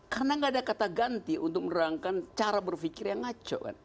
karena nggak ada kata ganti untuk menerangkan cara berpikir yang ngaco